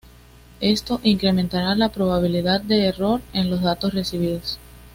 Esto incrementará la probabilidad de error en los datos recibidos.